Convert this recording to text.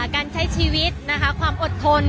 การใช้ชีวิตนะคะความอดทน